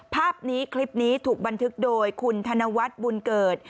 ภาพนี้คลิปนี้ถูกบันทึกโดยคุณธนวัฒน์บุญเกิด